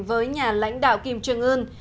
với nhà lãnh đạo kim trương ương